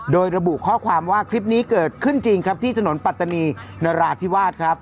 โดยระบุข้อความว่าคลิปนี้เกิดขึ้นจริงครับที่ถนนปัตตานีนราธิวาสครับ